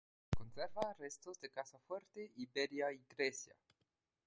Conserva restos de casa fuerte y bella iglesia.